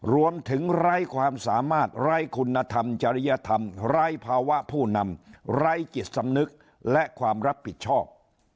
ไร้ความสามารถไร้คุณธรรมจริยธรรมไร้ภาวะผู้นำไร้จิตสำนึกและความรับผิดชอบ